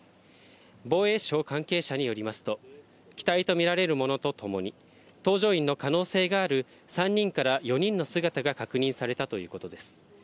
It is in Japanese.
防衛省関係者によりますと、機体と見られるものと共に搭乗員の可能性がある３人から４人の姿が確認されたということです。